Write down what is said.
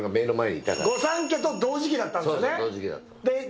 新御三家と同時期だったんですよね？